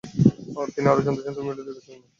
আর তিনি জানতে চাচ্ছেন, তুমি বিড়ালটি দেখেছো কিনা।